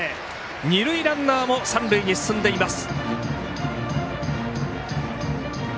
二塁ランナーも三塁に進んでいます。